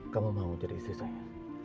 kamu mau jadi istri saya